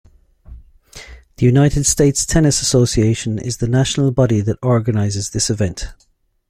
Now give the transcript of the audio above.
The United States Tennis Association is the national body that organizes this event.